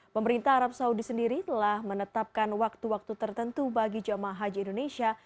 pemerintah arab saudi sendiri telah menetapkan waktu waktu tertentu bagi jemaah haji indonesia